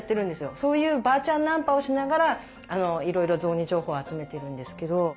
そういうばあちゃんナンパをしながらいろいろ雑煮情報を集めてるんですけど。